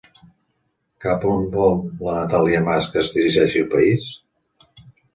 Cap on vol Natàlia Mas que es dirigeixi el país?